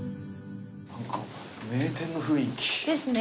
何か名店の雰囲気。ですね。